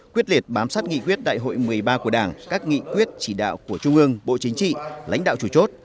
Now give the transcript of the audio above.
quyết liệt bám sát nghị quyết đại hội một mươi ba của đảng các nghị quyết chỉ đạo của trung ương bộ chính trị lãnh đạo chủ chốt